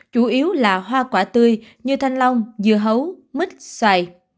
chủ yếu là hoa quả tươi như thanh long dưa hấu mít xoài